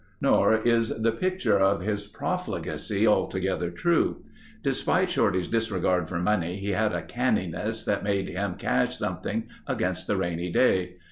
Nor is the picture of his profligacy altogether true. Despite Shorty's disregard for money he had a canniness that made him cache something against the rainy day.